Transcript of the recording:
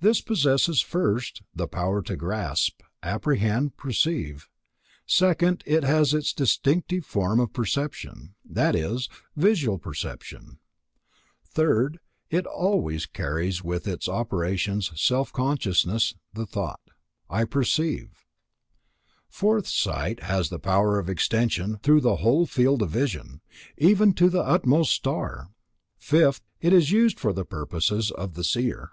This possesses, first, the power to grasp, apprehend, perceive; second, it has its distinctive form of perception; that is, visual perception; third, it always carries with its operations self consciousness, the thought: "I perceive"; fourth sight has the power of extension through the whole field of vision, even to the utmost star; fifth, it is used for the purposes of the Seer.